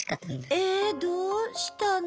えどうしたの？